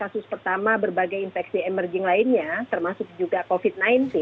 kasus pertama berbagai infeksi emerging lainnya termasuk juga covid sembilan belas